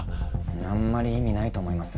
あんまり意味ないと思います。